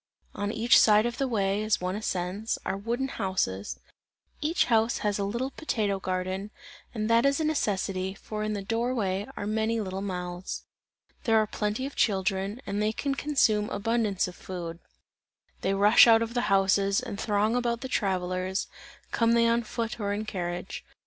On each side of the way, as one ascends, are wooden houses; each house has a little potato garden, and that is a necessity, for in the door way are many little mouths. There are plenty of children, and they can consume abundance of food; they rush out of the houses, and throng about the travellers, come they on foot or in carriage.